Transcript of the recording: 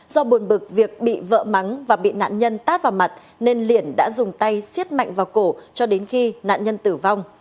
do bồn bực việc bị vợ mắng và bị nạn nhân tát vào mặt nên liển đã dùng tay xiết mạnh vào cổ cho đến khi nạn nhân tử vong